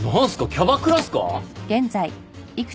キャバクラっすか？